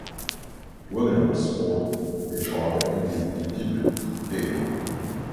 Williams scored a try in his debut game.